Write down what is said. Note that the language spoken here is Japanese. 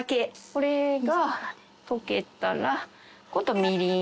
これが溶けたら今度みりん。